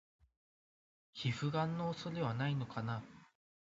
皮膚ガンの恐れはないのかな？